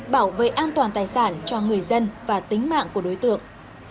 bảo vệ an toàn tài sản cho người dân và tính mạng của đối tượng